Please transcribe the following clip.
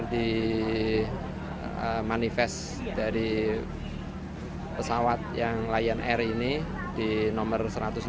saya terdengar di manifest dari pesawat lion air ini di nomor satu ratus enam puluh lima